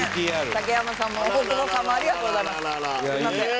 竹山さんも大久保さんもありがとうございますすみません。